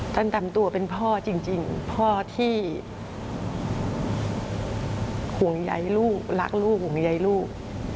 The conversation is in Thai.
ตามตัวเป็นพ่อจริงพ่อที่ห่วงใยลูกรักลูกห่วงใยลูก